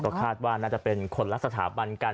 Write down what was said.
ก็คาดว่าน่าจะเป็นคนละสถาบันกัน